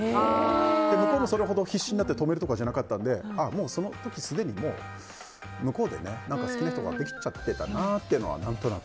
向こうもそれほど必死になって止めるとかじゃなかったのでもうその時すでに向こうで好きな人ができちゃっているんだなとういのが何となく。